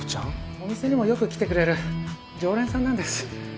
お店にもよく来てくれる常連さんなんです。